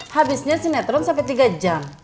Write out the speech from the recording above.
habisnya sinetron sampai tiga jam